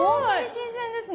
新鮮ですよ。